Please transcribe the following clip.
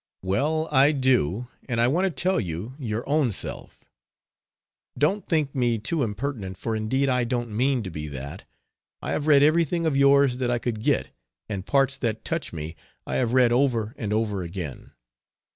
Well, I do and I want to tell you your ownself. Don't think me too impertinent for indeed I don't mean to be that! I have read everything of yours that I could get and parts that touch me I have read over and over again.